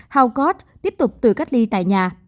helford tiếp tục tự cách ly tại nhà